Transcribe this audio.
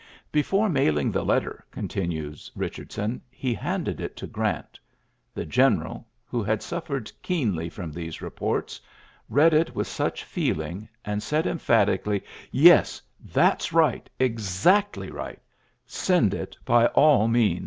^'Before dling the letter,'' continues Eichard i, ^^ he handed it to Grant. The gen ii, who had suffered keenly from these )orts, read it with much feeling, and d emphatically : Yes, that's right, — ictly right Send it by all means."